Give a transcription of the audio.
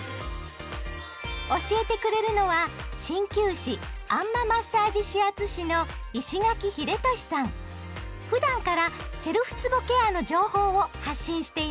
教えてくれるのは鍼灸師あん摩マッサージ指圧師のふだんからセルフつぼケアの情報を発信しています。